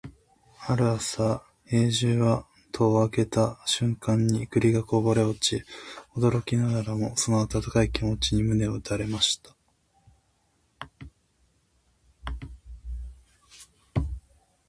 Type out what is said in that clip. ある朝、兵十は戸を開けた瞬間に栗がこぼれ落ち、驚きながらもその温かい気持ちに胸を打たれました。